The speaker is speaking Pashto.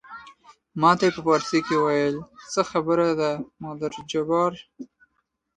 ما ته یې په فارسي وویل څه خبره ده مادر جبار.